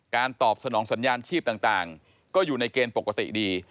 ตอบสนองสัญญาณชีพต่างก็อยู่ในเกณฑ์ปกติดี